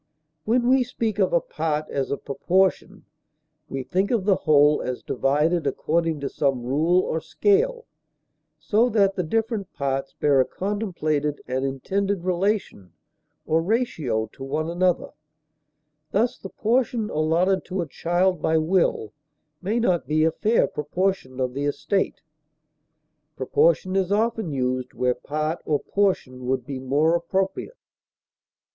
When we speak of a part as a proportion, we think of the whole as divided according to some rule or scale, so that the different parts bear a contemplated and intended relation or ratio to one another; thus, the portion allotted to a child by will may not be a fair proportion of the estate. Proportion is often used where part or portion would be more appropriate.